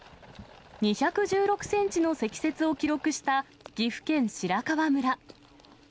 ２１６センチの積雪を記録した岐阜県白川村。